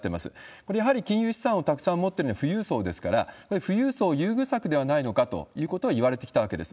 これ、やはり金融資産をたくさん持ってるのは富裕層ですから、富裕層優遇策ではないのかということをいわれてきたわけです。